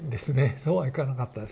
そうはいかなかったですね。